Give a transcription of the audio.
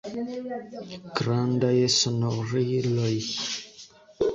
Grandaj sonoriloj.